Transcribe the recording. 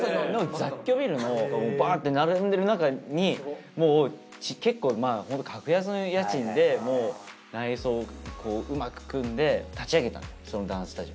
雑居ビルのバーッて並んでるなかに結構格安の家賃で内装うまく組んで立ち上げたそのダンススタジオ。